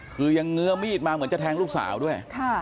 คือยังเงื้อมีดมาเหมือนจะแทงลูกสาวด้วย